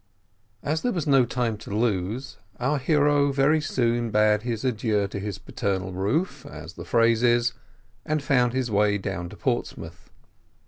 As there was no time to lose, our hero very soon bade adieu to his paternal roof, as the phrase is, and found his way down to Portsmouth.